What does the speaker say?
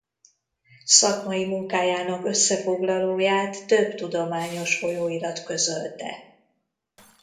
Szakmai munkájának összefoglalóját több tudományos folyóirat közölte.